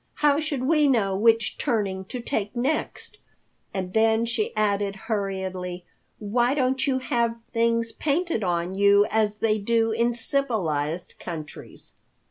How should we know which turning to take next?" And then she added hurriedly, "Why don't you have things painted on you as they do in civilized countries?"